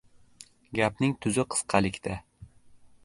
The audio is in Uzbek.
• Gapning tuzi qisqalikda.